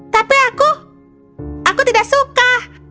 tapi aku aku tidak suka